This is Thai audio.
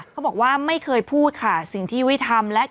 เขาบอกว่าไม่เคยพูดค่ะสิ่งที่ไว้ทำและ